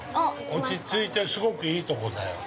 落ちついてすごくいいところだよ。